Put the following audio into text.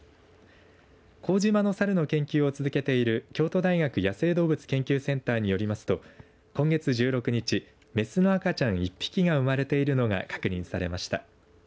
幸島の猿の研究を続けている京都大学野生動物研究センターによりますと今月１６日雌の赤ちゃん１匹が生まれているのが確認されました。